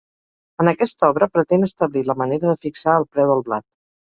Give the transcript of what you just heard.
En aquesta obra pretén establir la manera de fixar el preu del blat.